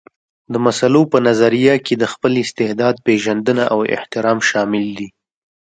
د مسلو په نظريه کې د خپل استعداد پېژندنه او احترام شامل دي.